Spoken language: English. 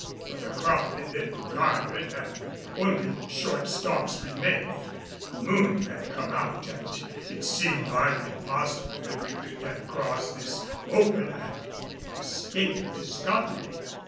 But the crop had been garnered and only the short stalks remained. The moon had come out and it seemed hardly possible that we could get across this open and escape discovery.